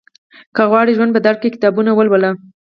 که غواړې ژوند بدل کړې، کتابونه ولوله.